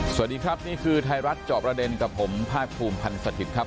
สวัสดีครับนี่คือไทยรัฐจอบประเด็นกับผมภาคภูมิพันธ์สถิตย์ครับ